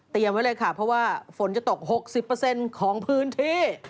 ไว้เลยค่ะเพราะว่าฝนจะตก๖๐ของพื้นที่